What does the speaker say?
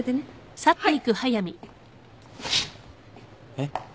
えっ？